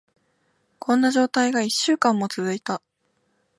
こんな状態が一週間以上も続いた。